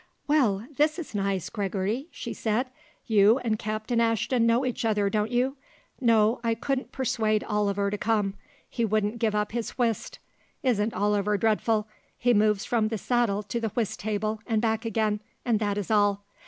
"Well, this is nice, Gregory!" she said. "You and Captain Ashton know each other, don't you. No, I couldn't persuade Oliver to come; he wouldn't give up his whist. Isn't Oliver dreadful; he moves from the saddle to the whist table, and back again; and that is all.